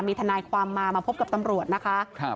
มีทนายความมามาพบกับตำรวจนะคะ